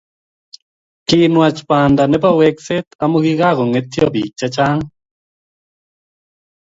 Kinwach banda nepo wekset amu kikangetio bik che chang